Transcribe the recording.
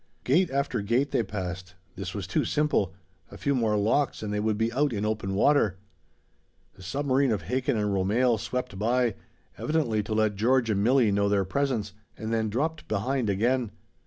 Gate after gate they passed. This was too simple. A few more locks and they would be out in open water. The submarine of Hakin and Romehl swept by evidently to let George and Milli know their presence and then dropped behind again.